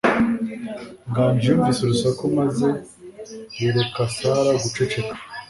Nganji yumvise urusaku maze yereka Sara guceceka.